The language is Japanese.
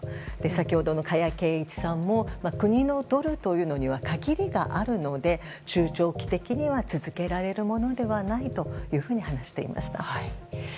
先ほどの加谷珪一さんも国のドルというのには限りがあるので、中長期的には続けられるものではないと話していました。